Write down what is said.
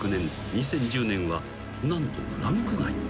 ２０１０年は何とランク外］